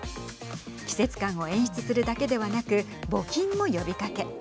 季節感を演出するだけではなく募金も呼びかけ。